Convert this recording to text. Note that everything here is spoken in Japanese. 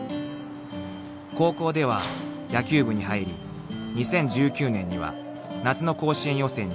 ［高校では野球部に入り２０１９年には夏の甲子園予選に出場していた］